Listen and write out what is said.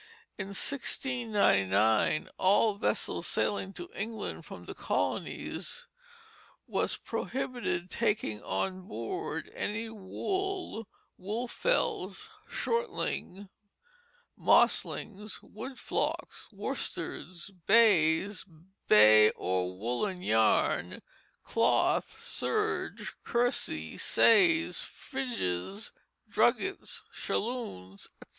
In 1699 all vessels sailing to England from the colonies were prohibited taking on board any "Wool, Woolfells, Shortlings, Moslings, Wool Flocks, Worsteds, Bays, Bay or Woollen Yarn, Cloath, Serge, Kersey, Says, Frizes, Druggets, Shalloons, etc."